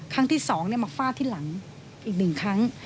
ครั้งที่๒มาฟาดที่หลังอีก๑ครั้ง